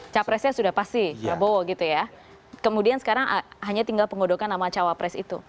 capresnya sudah pasti prabowo gitu ya kemudian sekarang hanya tinggal penggodokan nama cawapres itu